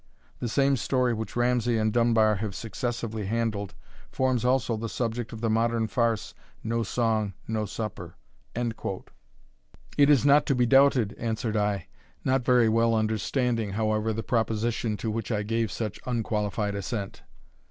The same story which Ramsay and Dunbar have successively handled, forms also the subject of the modern farce, No Song, no Supper.] "It is not to be doubted," answered I, not very well understanding, however, the proposition to which I gave such unqualified assent.